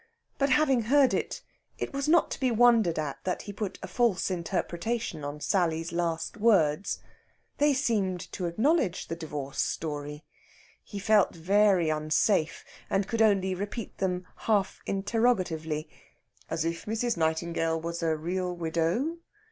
But, having heard it, it was not to be wondered at that he put a false interpretation on Sally's last words. They seemed to acknowledge the divorce story. He felt very unsafe, and could only repeat them half interrogatively, "As if Mrs. Nightingale was a real widow?"